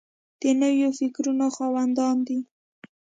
د نویو فکرونو خاوندان دي.